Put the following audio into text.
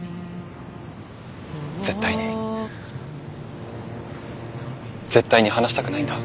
絶対に絶対に離したくないんだ。